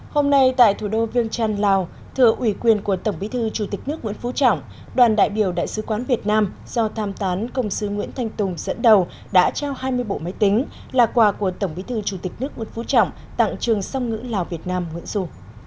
hôm nay tại thủ đô viêng trăn lào thưa ủy quyền của tổng bí thư chủ tịch nước nguyễn phú trọng đoàn đại biểu đại sứ quán việt nam do tham tán công sư nguyễn thanh tùng dẫn đầu đã trao hai mươi bộ máy tính là quà của tổng bí thư chủ tịch nước nguyễn phú trọng tặng trường song ngữ lào việt nam nguyễn dù